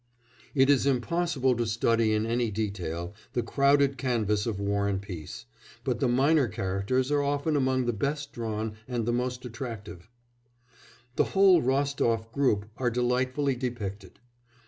It is impossible to study in any detail the crowded canvas of War and Peace, but the minor characters are often among the best drawn and the most attractive. The whole Rostof group are delightfully depicted.